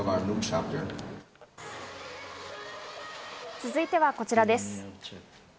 続いてはこちらです。